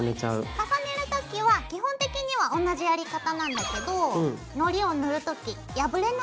重ねる時は基本的には同じやり方なんだけどＯＫ！